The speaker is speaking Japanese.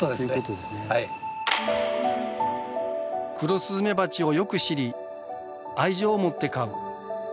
クロスズメバチをよく知り愛情を持って飼う。